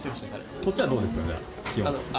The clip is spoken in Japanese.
こっちはどうですか、じゃあ。